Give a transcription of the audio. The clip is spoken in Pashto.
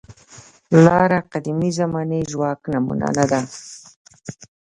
لاره قدیمې زمانې ژواک نمونه نه ده.